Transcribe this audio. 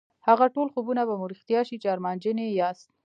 هغه ټول خوبونه به مو رښتيا شي چې ارمانجن يې ياست.